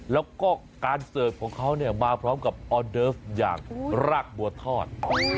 แล้วก็การเสิร์ฟของเขาเนี่ยมาพร้อมกับออเดิฟอย่างรากบัวทอด